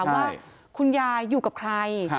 ว่าคุณยายอยู่กับใคร